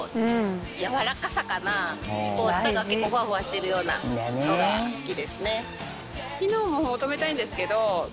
下が結構フワフワしてるようなのが好きですね。